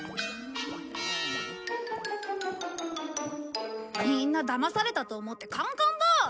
みんなだまされたと思ってカンカンだ！